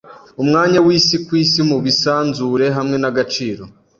umwanya wisi kwisi mubisanzure hamwe nagaciro